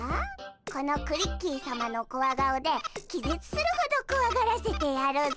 このクリッキーさまのコワ顔で気絶するほどこわがらせてやるぞ！